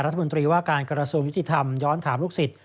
รัฐมนตรีว่าการกระทรวงยุติธรรมย้อนถามลูกศิษย